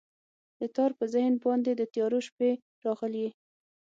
د تار په ذهن باندې، د تیارو شپې راغلي